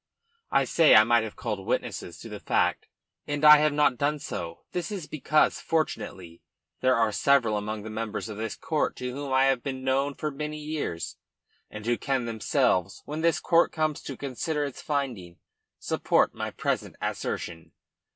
I say I might have called witnesses to that fact and I have not done so. This is because, fortunately, there are several among the members of this court to whom I have been known for many years, and who can themselves, when this court comes to consider its finding, support my present assertion.